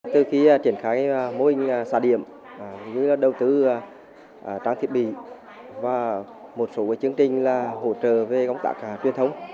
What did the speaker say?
từ khi triển khai mô hình xa điểm như đầu tư trang thiết bị và một số chương trình hỗ trợ về công tác truyền thống